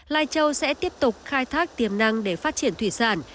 lifechâu sẽ tiếp tục khai thác tiềm năng để phát triển thủy sản